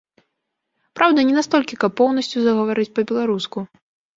Праўда, не настолькі, каб поўнасцю загаварыць па-беларуску.